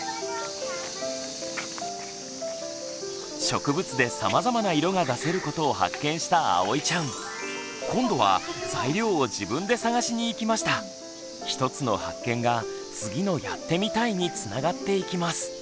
植物でさまざまな色が出せることを発見したあおいちゃん。今度は一つの発見が次の「やってみたい」につながっていきます。